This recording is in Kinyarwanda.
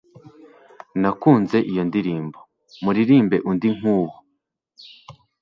Nakunze iyo ndirimbo. Muririmbe undi nkuwo.